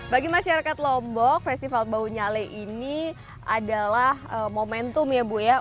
bagi masyarakat lombok festival bau nyale ini adalah momentum ya bu ya